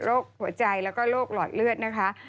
หัวใจแล้วก็โรคหลอดเลือดนะคะ